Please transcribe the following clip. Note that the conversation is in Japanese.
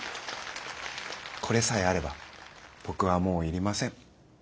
これさえあれば僕はもういりません。